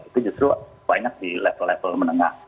itu justru banyak di level level menengah